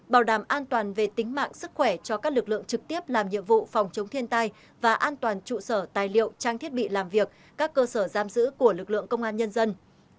bảo đảm an toàn về tính mạng sức khỏe cho các lực lượng trực tiếp làm nhiệm vụ phòng chống thiên tai và an toàn trụ sở tài liệu trang thiết bị làm việc các cơ sở giam giữ của lực lượng công an nhân dân